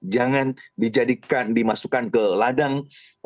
jangan dijadikan dimasukkan ke ladang penderitaan yang begitu luas